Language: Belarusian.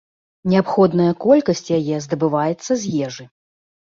Неабходная колькасць яе здабываецца з ежы.